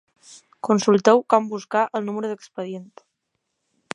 Consulteu com buscar el número d'expedient.